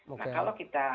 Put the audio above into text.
oke nah kalau kita